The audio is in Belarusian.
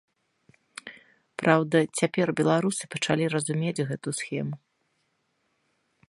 Праўда, цяпер беларусы пачалі разумець гэту схему.